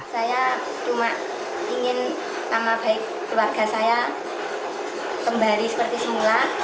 saya cuma ingin nama baik keluarga saya kembali seperti semula